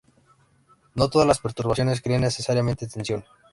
No todas las perturbaciones crean necesariamente tensión.